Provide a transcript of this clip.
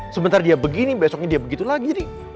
sebentar dia begini besoknya dia begitu lagi